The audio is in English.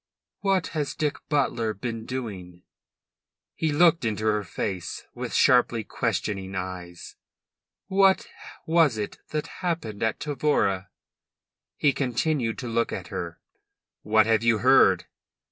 "What has Dick Butler been doing?" He looked into her face with sharply questioning eyes. "What was it that happened at Tavora?" He continued to look at her. "What have you heard?"